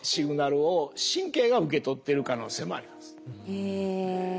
へえ。